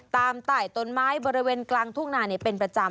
ตายต้นไม้บริเวณกลางทุ่งนาเป็นประจำ